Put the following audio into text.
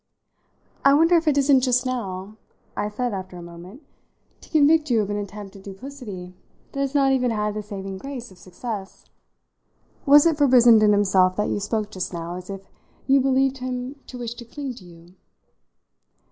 "I wonder if it isn't just now," I said after a moment, "to convict you of an attempt at duplicity that has not even had the saving grace of success! Was it for Brissenden himself that you spoke just now as if you believed him to wish to cling to you?"